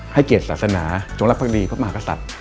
ให้เกียรติศาสนาจงระบะดีเพราะมากทรัพย์